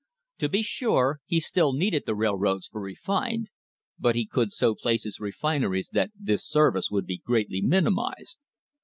To be sure, he still needed the railroads for refined, but he could so place his refineries that this service would be greatly minimised.